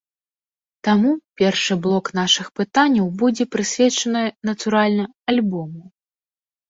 Таму першы блок нашых пытанняў будзе прысвечаны, натуральна, альбому.